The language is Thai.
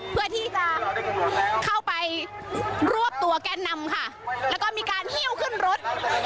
เพื่อที่จะเข้าไปรวบตัวแกนนำค่ะแล้วก็มีการหิ้วขึ้นรถ